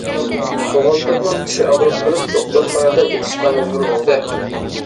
بوغالتىرنىڭ چىشى ئاغرىپ قېلىپ دوختۇرخانىدا يېتىشقا مەجبۇر بولدى.